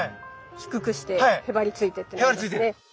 低くしてへばりついてますね。